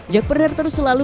jack planner terus selalu